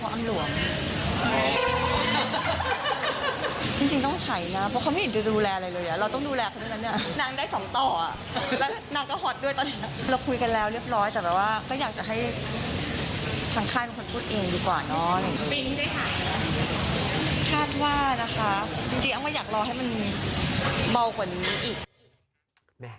คาดว่านะคะจริงอ้ำก็อยากรอให้มันเบากว่านี้อีก